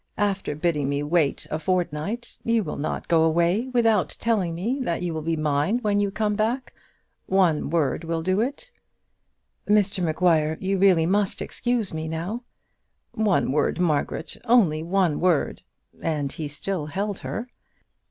After bidding me wait a fortnight, you will not go away without telling me that you will be mine when you come back? One word will do it." "Mr Maguire, you really must excuse me now." "One word, Margaret; only one word," and he still held her.